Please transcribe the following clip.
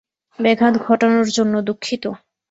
ব্যাঘাত ঘটানোর জন্য দুঃখিত।